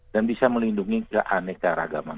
dan bisa melindungi keaneka ragaman